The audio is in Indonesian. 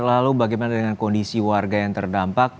lalu bagaimana dengan kondisi warga yang terdampak